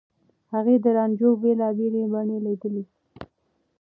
هغې د رانجو بېلابېلې بڼې ليدلي.